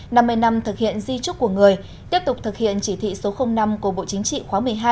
năm mươi năm thực hiện di trúc của người tiếp tục thực hiện chỉ thị số năm của bộ chính trị khóa một mươi hai